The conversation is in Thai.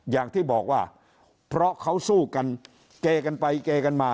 อย่างที่บอกว่าเพราะเขาสู้กันเกกันไปเกกันมา